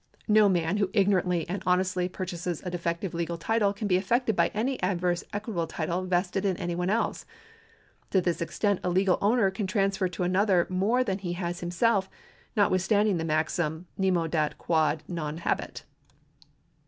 No man who ignorantly and honestly purchases a defective legal title can be affected by any adverse equitable title vested in any one else. To this extent a legal owner can transfer to another more than he has himself, notwithstanding the maxim. Nemo dat quod non habet.